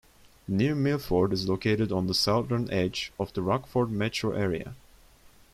New Milford is located on the southern edge of the Rockford metro area.